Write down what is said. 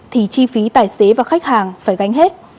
thì chi phí tài xế và khách hàng phải gánh hết